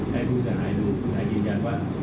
ให้ผู้เสียหายรู้ผู้หายวิญญาณว่า